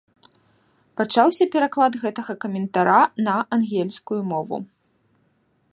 Пачаўся пераклад гэтага каментара на ангельскую мову.